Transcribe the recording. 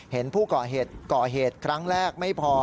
เห็นผู้ก่อเหตุก่อเหตุครั้งแรกไม่พอ